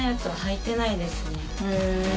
へえ。